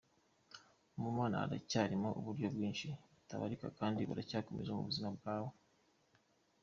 Mu Mana haracyarimo uburyo bwinshi butabarika kandi buracyakomeje mu buzima bwawe.